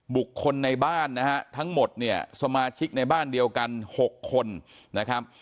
บุคคลในบ้านนะฮะทั้งหมดเนี่ยสมาชิกในบ้านเดียวกัน๖คนนะครับ